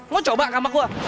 mau coba kampak gua